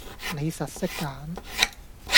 你實識揀